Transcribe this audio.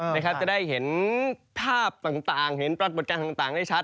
นะครับจะได้เห็นภาพต่างเห็นปรากฏการณ์ต่างได้ชัด